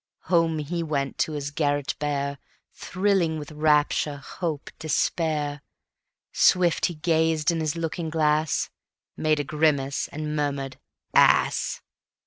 Home he went to his garret bare, Thrilling with rapture, hope, despair. Swift he gazed in his looking glass, Made a grimace and murmured: "Ass!"